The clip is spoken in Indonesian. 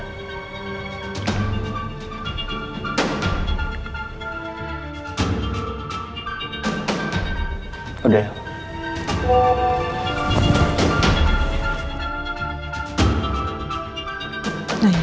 gue kirimin rawatnya ya